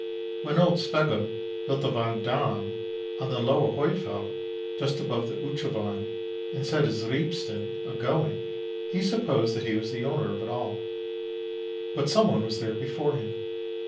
When old Sveggum built the Vand dam on the Lower Hoifjeld, just above the Utrovand, and set his ribesten a going, he supposed that he was the owner of it all. But some one was there before him.